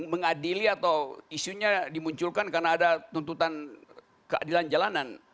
mengadili atau isunya dimunculkan karena ada tuntutan keadilan jalanan